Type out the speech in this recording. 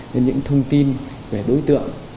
với những thông tin về đối tượng